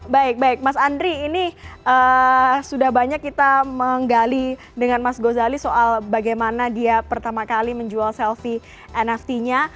baik baik mas andri ini sudah banyak kita menggali dengan mas gozali soal bagaimana dia pertama kali menjual selfie nft nya